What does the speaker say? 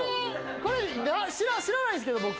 これ知らないですけど僕。